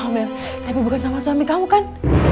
kamu hamil tapi bukan sama suami kamu kan